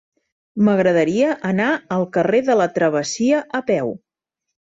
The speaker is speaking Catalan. M'agradaria anar al carrer de la Travessia a peu.